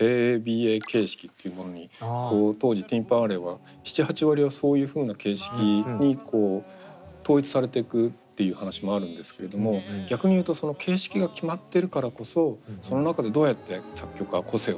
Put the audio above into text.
ＡＡＢＡ形式っていうものに当時ティン・パン・アレーは７８割はそういうふうな形式に統一されてくっていう話もあるんですけれども逆に言うとその形式が決まってるからこそその中でどうやって作曲家が個性を出すかっていう。